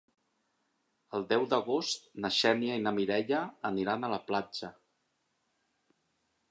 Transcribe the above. El deu d'agost na Xènia i na Mireia aniran a la platja.